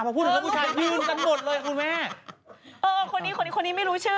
พอพูดถึงเรื่องผู้ชายยืนกันหมดเลยคุณแม่เออคนนี้คนนี้คนนี้ไม่รู้ชื่อ